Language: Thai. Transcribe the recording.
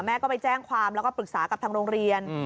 แม่ก็ไปแจ้งความแล้วก็ปรึกษากับทางโรงเรียน